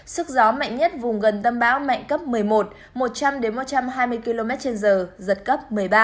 sức gió mạnh nhất vùng gần tâm bão mạnh cấp một mươi một một trăm linh một trăm hai mươi km trên giờ giật cấp một mươi ba